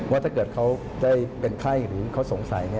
ถ้าเกิดเขาได้เป็นไข้หรือเขาสงสัย